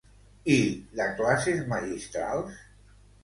I de classes magistrals?